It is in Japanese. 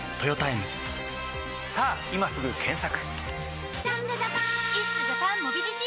さぁ今すぐ検索！